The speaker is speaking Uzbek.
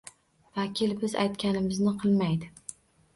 Vakil biz aytganimizni qilmaydi